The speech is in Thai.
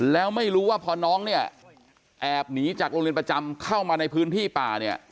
แล้วไม่รู้ว่าพอน้องเนี่ยแอบหนีจากโรงเรียนประจำเข้ามาในพื้นที่ป่าเนี่ย